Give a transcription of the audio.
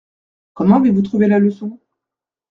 Comment avez-vous trouvé la leçon ?